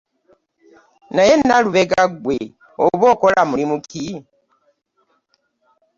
Naye Nalubega ggwe, oba okola mulimu ki?